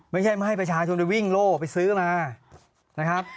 ไม่ใช่มาให้ประชาชนไปวิ่งโล่ไปซื้อมานะครับ